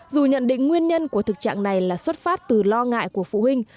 dù nhận định nguyên nhân của thực trạng này là xuất phát từ lo ngại của phụ huynh